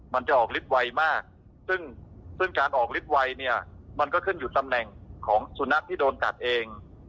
มันจะออกฤทธิ์ไวมากซึ่งซึ่งการออกฤทธิไวเนี่ยมันก็ขึ้นอยู่ตำแหน่งของสุนัขที่โดนกัดเอง